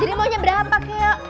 jadi maunya berapa keo